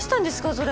それ。